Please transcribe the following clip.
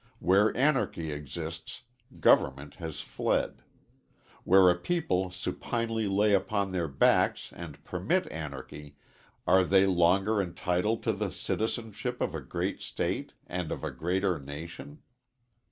Where anarchy exists, government has fled. Where a people supinely lay upon their backs and permit anarchy, are they longer entitled to the citizenship of a great state and of a greater nation?